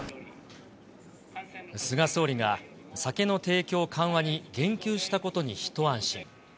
菅総理が酒の提供緩和に言及したことに一安心。